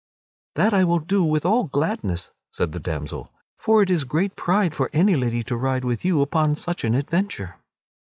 "That I will do with all gladness," said the damsel, "for it is great pride for any lady to ride with you upon such an adventure."